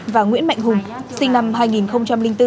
và nguyễn mạnh hùng sinh năm hai nghìn bốn